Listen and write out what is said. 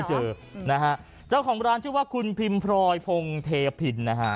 เจ้าของร้านชื่อว่าคุณพิมพลอยพงเทพิน